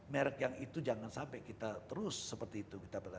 merek yang itu jangan sampai kita terus seperti itu